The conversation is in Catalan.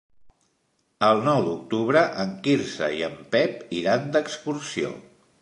El nou d'octubre en Quirze i en Pep iran d'excursió.